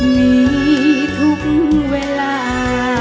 มีทุกเวลา